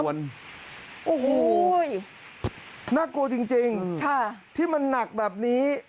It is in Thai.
โอ้โหโหน่ากลัวจริงจริงค่ะที่มันหนักแบบนี้